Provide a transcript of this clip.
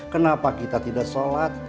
kenapa kita tidak sholat